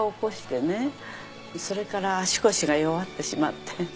それから足腰が弱ってしまって。